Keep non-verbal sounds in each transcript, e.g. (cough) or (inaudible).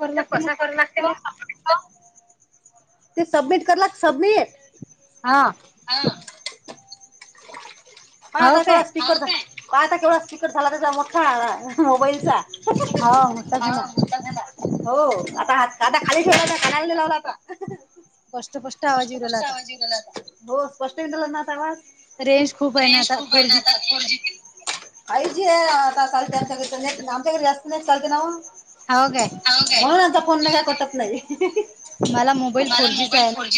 म्हणजे कस करावं लागते (unintelligible) ते सबमिट करा सबमिट. हा. ह. पण आता केवढा स्पीकर पण आता केवढा स्पीकर झाला त्याचा मोठा मोबाईलचा (unintelligible) हो मोठा झाला. हो. आता दादा खाली ठेवलाता कना लावला आता कष्ट कष्ट आवाज वला आता (unintelligible) हो स्पष्ट येऊन राहिला ना आता आवाज. रेज खूप रेंज खूप आहे ना आता फोर जीबी. फाईव्ह जी आहे आता चालते आमच्याकडे नेट, आमच्याकडे जास्त नेट चालते ना ओ. हाव काय? म्हणून आता फोन कटत नाही. मला मोबाईल फोन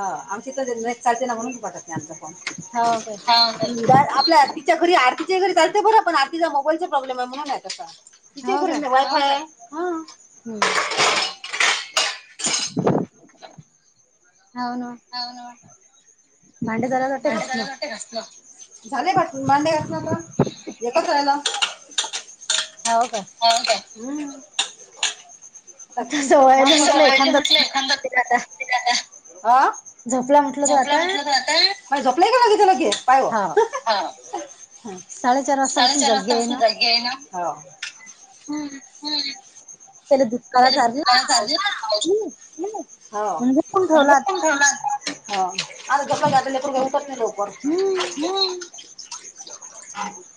आमच्या इथ चालते ना म्हणून कटात नाही आमचा फोन (unintelligible) हाव काय? आपल्या आरतीच्या घरी आरतीच्या घरी चालते बरं पण आरतीचा मोबाईलचा प्रॉब्लेम आहे म्हणून आहे तं (unintelligible) इथे करून द्या वाय-फाय. हम्म. हौ न. हाव ना. (unintelligible) झाले घालूस भांडी घासन आता एकच रायला. हाव का? हव काय? हम्म. आ? झोपला म्हटलं तर आता. बाय झोपलाय का आता लगेच पाय ओ. हा. साडेचार वाजतापासून जागी आहे ना, हो. हम्म. (unintelligible) हा आज गप्पा घरात आहे, लेकरु ऊठत नाही लवकर. ह (unintelligible)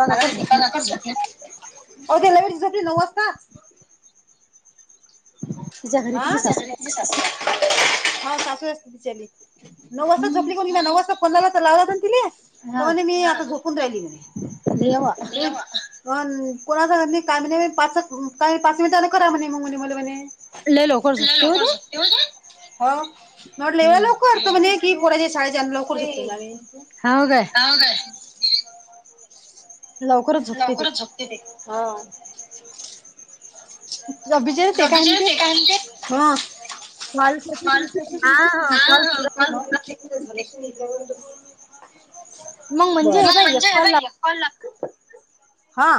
(unintelligible) ओ ते नऊ वाजता आ (unintelligible) नऊ वाजताच झोपली कोून ना, मी काय नऊ वाजता फोन लावला तर लावयचे तिले? तर म्हणे, मी आता झोपून राहिली म्हणे. अ कोणा सांग काय म्हणे पाचच काय पाच मिनिटटन करा म्हणे, मग मले म्हणे. हो. मी म्हटलं ये लवकर. (unintelligible) हाव काय? लवकरच झोपते ते, हो. (unintelligible) ते काय म्हणतेत? हा. मालक आहेत का तुमचं? (unintelligible) मग म्हणजे बर (unintelligible) हा.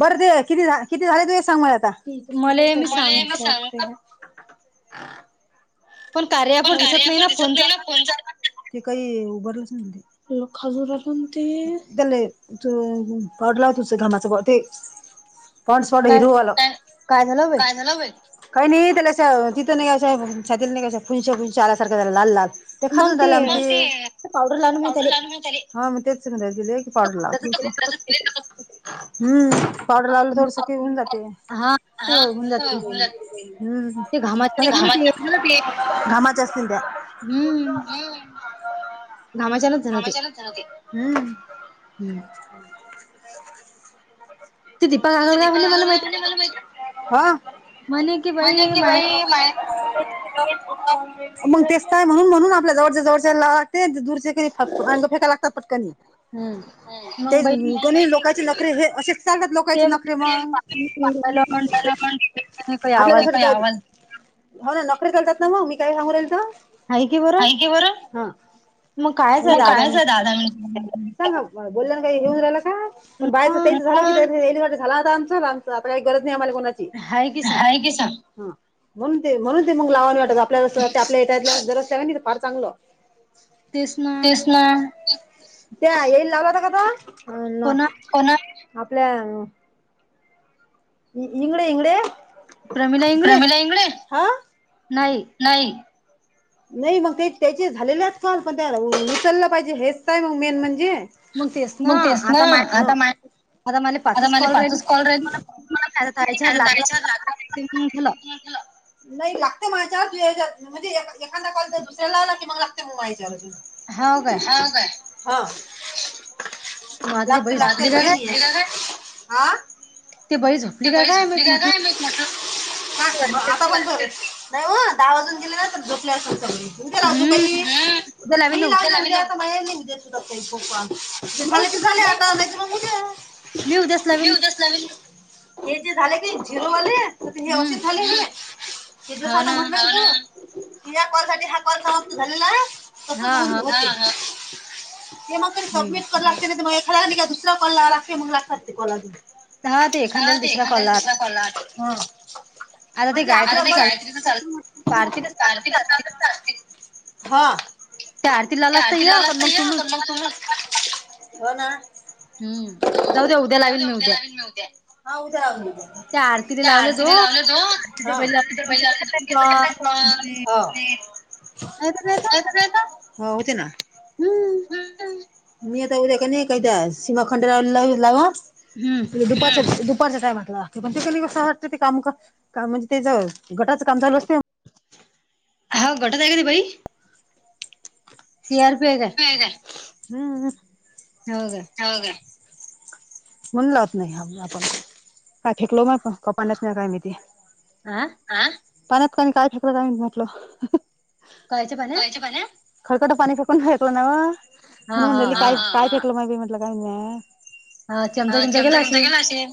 बर ते किती किती झाले तू हे सांग मले आता. मले बी सांग हा. पण कार्या दिसत नाही ना फोनचा ते काही उभरलं नाही (unintelligible) लो खाजवून राहिला‌ना ते, त्याले त पावडर लाव तुं घामाच ते पॉंड्स पावडर हिरवंवालं. काय झालं? काही नाही त्याला तिथं नाही का अशा छातीला नाही का, अशा फुनश्या फुंनश्या आल्यासारखं झाला लाल लाल. (unintelligible) कॉड लाव की तू हम्म, कॉड लावलं तर सुखी होऊन जाते मी. हां. (unintelligible) कामाच्या असतील त्या. हम्म घामाच्यानच झालं ते. हम्म. हम्म. (inaudible) हं (unintelligible) (unintelligible) मग तेच तर हाय म्हणून म्हणून आपल्या जवळच्या जवळच्या लावायला लागते दूरच्या काही (unintelligible) भांग फेकाय लागतात पटकन हम्म. ते (unintelligible) लोकांचे नखरे हे असेच चालतात लोकं कायचे नखरे मंग (unintelligible) हो ना नखरी चालतात ना मग मी काय सांगू (unintelligible) हाय की बरं हा मग कायच (unintelligible) सांगा बोलल्याने काय हे होऊ राहिलं का. पण बायाचं तेच राहून जाय (unintelligible) आता काय गरज नाय आमाला कोनाची. म्हनून ते म्हनून ते मग लावाव नाई वाटत आपल्याला (unintelligible) ते फार चांगलं. तेच ना ते येईल लावला का ब? कोणले? आपल्या इंगडे, इंगडे. प्रमिला इंगळे नाही. नाही. नाई मग ते त्याचे झालेलेच कॉल पण, त्या उचललं पाहिजे हेच काय मग मेन म्हणजे मग तेच ना आता आता मला पाचच कॉल राहिली. (unintelligible) नाही लागते, माझ्यावर तूज्या ह्याजातून म्हणजे एखादा कॉल दुसऱ्या लावला की मग लागते मग माझ्याच्यावरून. ह काय. हा. लागते लागते (unintelligible) हा ती बाई ती बाई झोपली काय ग माहित म्हटलं (unintelligible) (unintelligible) नाय व दहा वाजून गेले ना तर झोपल्या असल चांगली. (unintelligible) ते झाले की झाले आणि नाही तर उद्या. हे जे झाले कि झिरूवाले (unintelligible) तिया कॉल साठी हा कॉल समाप्त झालेला हाय तसच (unintelligible) होते. (unintelligible) (unintelligible) एखांद्या ला दुसरा कॉलला. म्हणजे आपला कॉल (unintelligible) त्या तिला लागतंय या (unintelligible) हो ना. जाऊ द्या उद्या लावीन मी उद्या. चार तुझे लावलेत हो (unintelligible) ह. (unintelligible) (unintelligible) हो होते ना. हंम्म. म्ही आता उद्या का नाय, काय त्या सीमा खांडेकर ला लावा. हम्म. दुपारच्या दुपारच्या टायमातला (unintelligible) काम म्हणजे, तेच गटाचं काम चालू असतंय. हांव गटात हाय, का ती बाई. सीआरपी हाय काय. (unintelligible) हंम्म. हो का. हो काय. म्हणून लावत नाही आपण, काय फेकलो म्हणून कपाण्यातत नाही काय माहिती. आ.. आ.. ह पाण्यात काय फेकल काय म्हटल, कैच पाण्यात. खरकटं पाणी फेकून ऐकलं नवं, म्हणून म्हटली काय काय फेकलं मी म्हटलं काय नाही. चमचा गेमचा गेला असेल.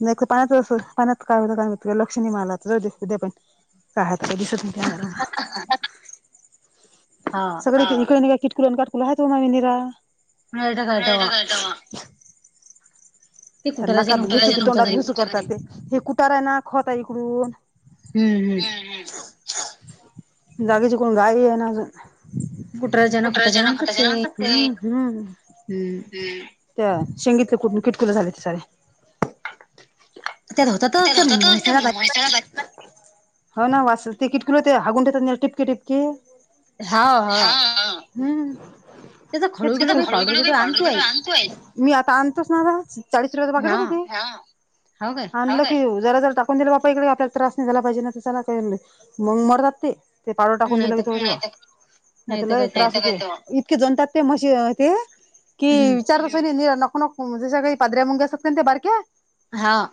नाही तर पाण्याच असं पाण्यात काय होतं, काय माहित लक्ष नाही मला जावूदे उद्या पण. काय हात पाय दिसत नाही त्या घरात. हां.. (unintelligible) नखात घुसकी, तोंडात घुसू करतात ते. हे कुटारा आहे ना, खत आहे इकडून. हम्म.. जा गेची कोण गाय येईना अजून. कुटर त्यांच न खत जण म हम.. त्या शेंगितलं कुठ, किटकुल झाले त सारे. (unintelligible) हो न वास ते कीटकूल होते, हागु ण ठेतात टिप के टिपके. हा.. हम्म.. तेच खडू गडू पावडर बिवडर आणतोय, मी आता आणतोच ना आता आज. चाळीस रुपयांचं पाकीट होतं ती हां.. आणलं की ओ. जरा जरा टाकून दिलं बापा इकडे आपल्याला त्रास नाही झाला पाहिजे, ना तर चला काही नाही मग मरतात ते. ते पावडर टाकून दिलं, की नाही तर लैय त्रास होतो. इतके जनतात ते म्हशी ते, की विचारतस निरा नको नक जस काही. पदऱ्या मुंग्या असत्यात कणी त्या बारक्या. हां..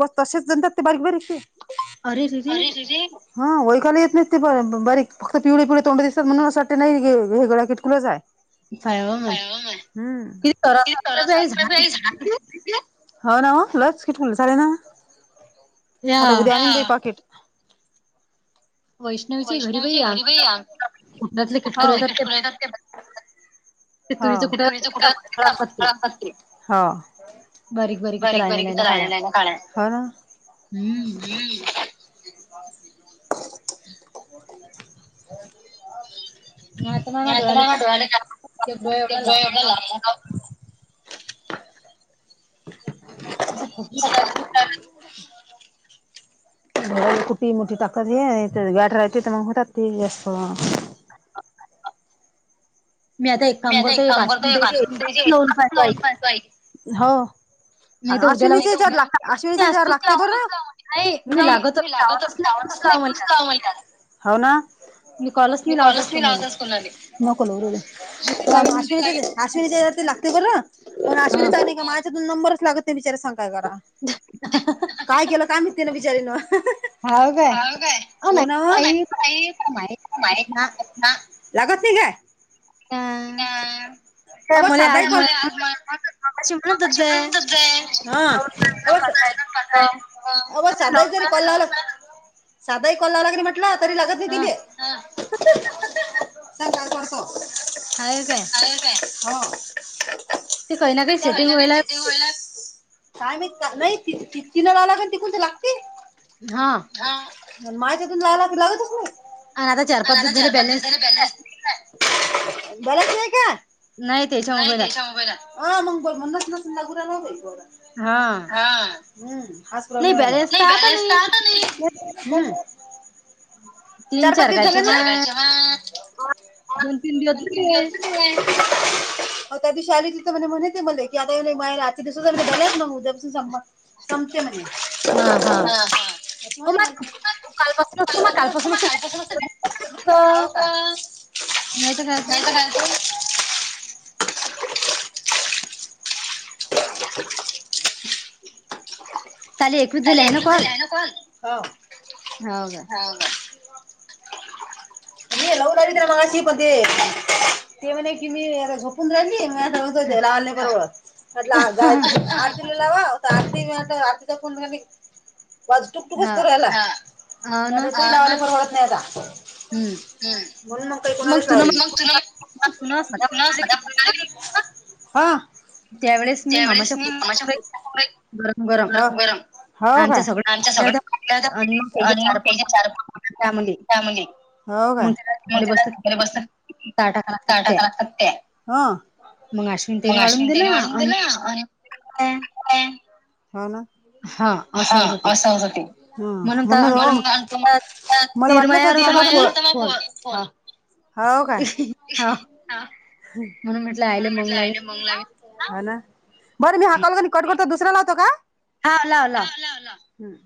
बस तशाच जणतात ते, बारीक बारीक ते अरे रे. हा ओळखायला येत नाहीत ते ब बारीक फक्त पिवळे पिवळे तोंड दिसतात, म्हणून हे गड्या किटकुलाच आहे. का हम्म क तरसा झा (unintelligible) होना हो लयच कीटकले झालेय ना, आता उद्या आणि ते पाकिट. वैष्णवीचे घरी (unintelligible) हो कुठ हो. बारीक (unintelligible) होणं. अ (unintelligible) (unintelligible) (unintelligible) कुटी मोठी टाकत हे, गॅट राहते तर मग होतात ते जास्त. मी आता एक काम करतो एक (unintelligible) हो.. अश्विनी च्या, अश्विनीच्या हेच्यावर लागते बरं. म्ह जाऊ मी लागत गावतच नाही खु माहिन्यात. हो ना, मी कॉलच नाही लावत आज कोणाले. नको लावू राहू दे. अश्विनी अश्विनी ते लागते बरं, पण अश्विनी चाले का माझ्यातून नंबरच लागतं. ते‌ बिचारे सांग, काय कराव. (inaudible) (unintelligible) काय केलं काय, माहिती तीन बिचारीन. हौ काय हो न मा ना (unintelligible) लागत नाही काय? (unintelligible) (unintelligible) अ साध जरी कॉल लागला, साध कॉल लागला म्हटलं तरी लागत नाही तिने. (unintelligible) काय काय हो. त्या महिन्यात शेती होईला. काय नाहीत नाही चिन लाव लाग तिकणती लागते (unintelligible) माय त्यातून जायला त लागतच नाही आणि आता चार पाच दिवस झाले बॅलेन्स (unintelligible) बोलत नाही का? नाही त्याच्या मोबाईलात. (unintelligible) हां. हां हम्म हाच प्रॉब्लेम आहे मग (unintelligible) चार-पाच दिवस झाले ना? (unintelligible) दोन तीन दिवस (unintelligible) तीन दिवस ये (unintelligible) अहो त्यादिवशी आली तिथं (unintelligible) म्हणते मले (unintelligible) उद्यापासून संबंध संपते म्हणे हा (unintelligible) हाव का? नाहीतर काय तर. (unintelligible) चाले एकवीस झाले हाय ना कॉल? हा. हो का? हो ना हे लवू रालीत र मगाशी पण ते ते म्हणे की मी झोपून राहिली म आ (unintelligible) (unintelligible) वाज टुकटुकच करू राहिला परवडत नाही आता (unintelligible) हम बोलू नको हे कोणाला कळाल (unintelligible) कार्यक्रम कुठचा (unintelligible) हां. त्यावेळेस मी (unintelligible) हो काय (unintelligible) आमच्या स आणि त्याच्या चार पा (unintelligible) (unintelligible) हो. हो काय ह (unintelligible) मग अश्विन ताईने वाढून दिला आणि (unintelligible) हां. हा असं होतं ते म्हणूनतो (unintelligible) (unintelligible) मला वाटलंच (unintelligible) हाव काय? हां म्हणून म्हटलं आईला मंग लावेन ह ना बरं मी हा कॉल कट करतो दुसऱ्या लावतो का हा लाव लाव. लाव लाव हम.